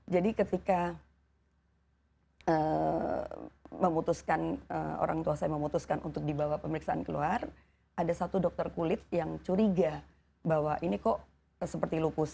jadi ketika memutuskan orang tua saya memutuskan untuk dibawa pemeriksaan keluar ada satu dokter kulit yang curiga bahwa ini kok seperti lupus